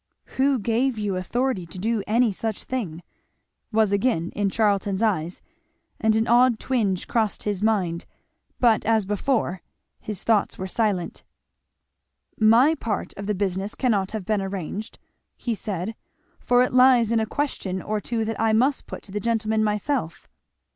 Who gave you authority to do any such thing? was again in Charlton's eyes, and an odd twinge crossed his mind; but as before his thoughts were silent. "My part of the business cannot have been arranged," he said, "for it lies in a question or two that I must put to the gentleman myself."